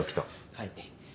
はい。